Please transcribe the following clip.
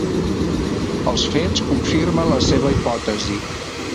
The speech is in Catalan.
Els fets confirmen la seva hipòtesi.